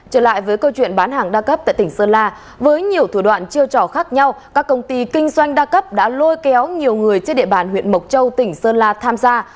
trở lại với câu chuyện bán hàng đa cấp tại tỉnh sơn la với nhiều thủ đoạn chiêu trò khác nhau các công ty kinh doanh đa cấp đã lôi kéo nhiều người trên địa bàn huyện mộc châu tỉnh sơn la tham gia